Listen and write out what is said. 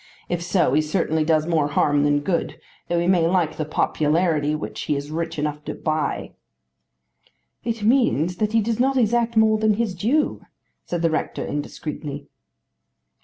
If so, he certainly does more harm than good, though he may like the popularity which he is rich enough to buy." "It means that he does not exact more than his due," said the rector indiscreetly.